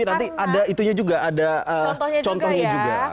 tapi nanti ada itunya juga ada contohnya juga